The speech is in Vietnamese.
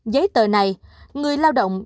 giấy tờ này người lao động